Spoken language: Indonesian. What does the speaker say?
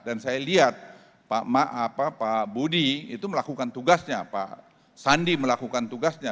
dan saya lihat pak budi itu melakukan tugasnya pak sandi melakukan tugasnya